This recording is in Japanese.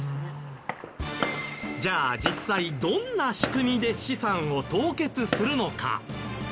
じゃあ実際どんな仕組みで資産を凍結するのか？